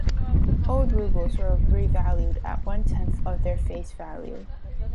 Old rubles were revalued at one tenth of their face value.